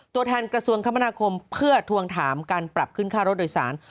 ตัวแทนกระทรวงคมนาคมเพื่อทวงถามการปรับขึ้นค่ารถโดยสาร